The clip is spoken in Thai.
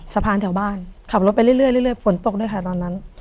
สะพานแถวบ้านขับรถไปเรื่อยเรื่อยเรื่อยเรื่อยฝนตกด้วยค่ะตอนนั้น